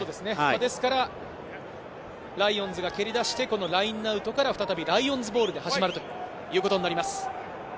ですからライオンズが蹴り出してラインアウトから再びライオンズボールで始まるということになります。